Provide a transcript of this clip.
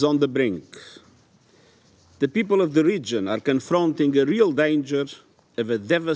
orang orang di kota ini menghadapi bahaya yang benar benar menyebabkan konflik yang sangat berat